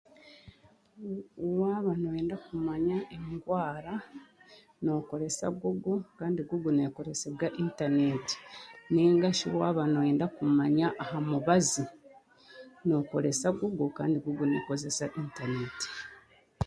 Waaba n'oyenda kumanya endwaara n'okoresa google kandi google n'ekoresa intaneti ninga waaba n'oyenda kumanya aha mubazi n'okoresa google kandi google n'ekoresa intaneti.